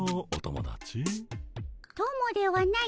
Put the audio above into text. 友ではない。